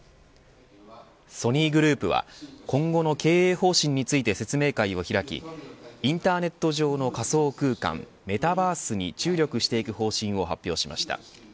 ソニーグループは今後の経営方針について説明会を開きインターネット上の仮想空間メタバースに注力していく方針を発表しました。